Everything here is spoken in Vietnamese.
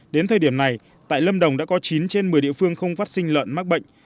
đến thời điểm này tại lâm đồng đã có chín trên một mươi địa phương không phát sinh lợn mắc bệnh